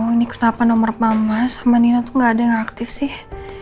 ini kenapa nomor mama sama nina tuh gak ada yang aktif sih